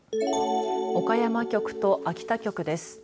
岡山局と秋田局です。